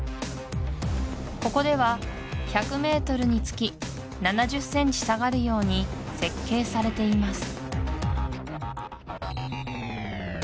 ここでは１００ｍにつき７０ｃｍ下がるように設計されています